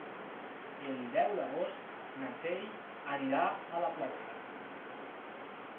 El deu d'agost na Txell anirà a la platja.